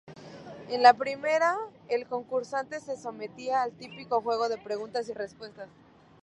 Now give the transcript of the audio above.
En la primera, el concursante se sometía al típico juego de preguntas y respuestas.